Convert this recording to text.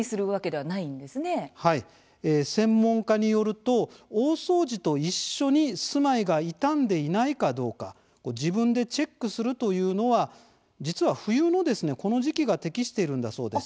はい、専門家によると大掃除と一緒に住まいが傷んでいないかどうか自分でチェックするというのは実は冬のこの時期が適しているんだそうです。